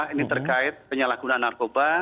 ini terkait penyalahgunaan narkoba